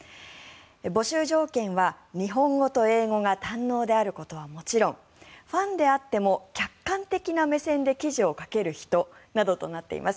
募集条件は日本語と英語が堪能であることはもちろんファンであっても客観的な目線で記事を書ける人などとなっています。